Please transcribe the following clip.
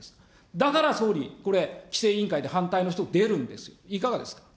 だから総理、これ、規制委員会で反対の人出るんですよ。